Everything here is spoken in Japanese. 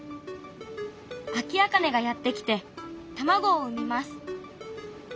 アキアカネがやって来て卵を産みます。